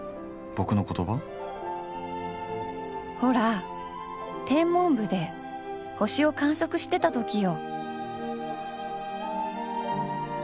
ほら天文部で星を観測してた時よ。